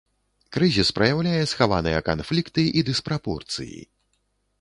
Крызіс праяўляе схаваныя канфлікты і дыспрапорцыі.